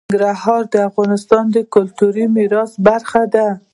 ننګرهار د افغانستان د کلتوري میراث برخه ده.